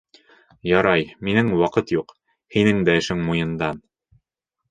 Ярай, минең ваҡыт юҡ, һинең дә эшең муйындан.